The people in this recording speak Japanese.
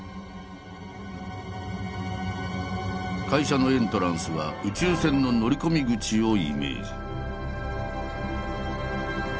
会社のエントランスは宇宙船の乗り込み口をイメージ。